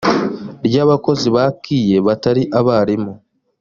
ry abakozi ba kie batari abarimu